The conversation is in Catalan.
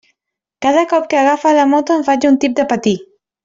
Cada cop que agafa la moto em faig un tip de patir.